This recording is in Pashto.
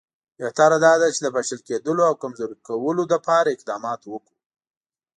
بهتره دا ده چې د پاشل کېدلو او کمزوري کولو لپاره اقدامات وکړو.